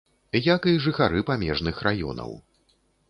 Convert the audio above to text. Як і жыхары памежных раёнаў.